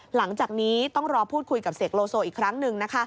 หลังจากนี้ต้องรอพูดคุยกับเสกโลโซอีกครั้งหนึ่งนะคะ